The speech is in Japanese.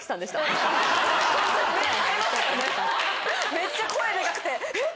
めっちゃ声デカくてえっ！